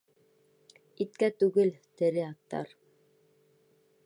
Иткә түгел, тере аттар!